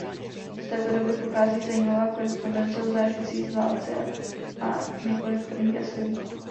Z této doby pochází zajímavá korespondence o zážitcích z války a několik prvních esejů.